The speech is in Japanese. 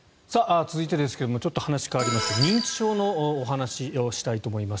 続いてですがちょっと話がかわりまして認知症のお話をしたいと思います。